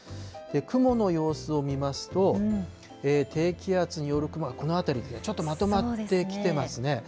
雲の様子を見ますと、低気圧による雲がこの辺り、ちょっとまとまってきてますね。